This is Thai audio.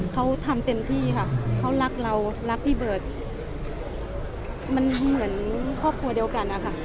เขาทำเต็มที่ค่ะเขารักเรารักพี่เบิร์ตมันเหมือนครอบครัวเดียวกันนะคะ